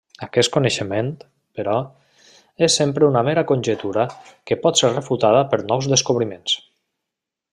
Aquest coneixement, però, és sempre una mera conjectura que pot ser refutada per nous descobriments.